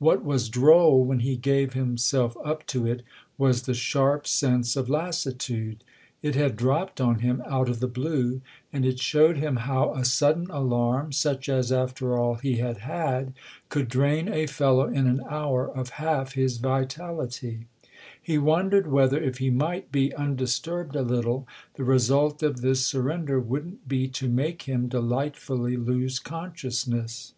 What was droll, when he gave himself up to it, was the sharp sense of lassitude ; it had dropped on him out of the blue and it showed him how a sudden alarm such as, after all, he had had could drain a fellow in an hour of half his vitality. He wondered whether, if he might be undisturbed a little, the result of this surrender wouldn't be to make him delightfully lose consciousness.